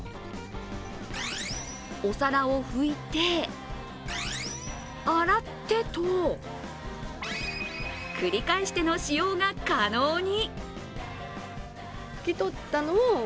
お皿をふいて、洗ってと繰り返しての使用が可能に。